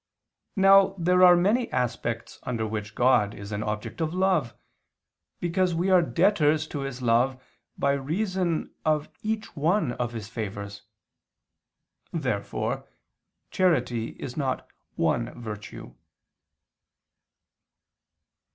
Now there are many aspects under which God is an object of love, because we are debtors to His love by reason of each one of His favors. Therefore charity is not one virtue.